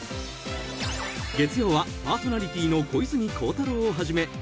［月曜はパーソナリティーの小泉孝太郎をはじめ